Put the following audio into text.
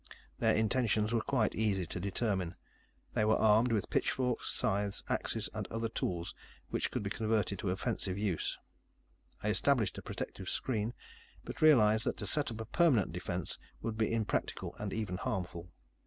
Their intentions were quite easy to determine. They were armed with pitchforks, scythes, axes, and other tools which could be converted to offensive use. I established a protective screen, but realized that to set up a permanent defense would be impractical and even harmful.